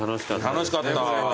楽しかった。